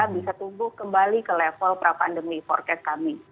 bisa tumbuh kembali ke level pra pandemi forecast kami